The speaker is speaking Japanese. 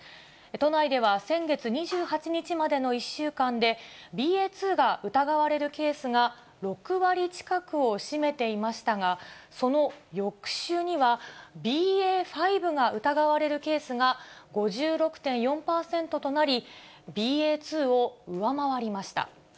都内では先月２８日までの１週間で、ＢＡ．２が疑われるケースが６割近くを占めていましたが、その翌週には、ＢＡ．５が疑われるケースが５６．４％となり、ＢＡ．２を上回りました。